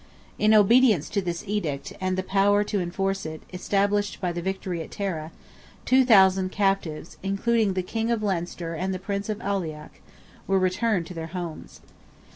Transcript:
In obedience to this edict, and the power to enforce it established by the victory at Tara, 2,000 captives, including the King of Leinster and the Prince of Aileach, were returned to their homes.